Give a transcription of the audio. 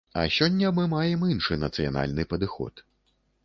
А сёння мы маем іншы, нацыянальны падыход.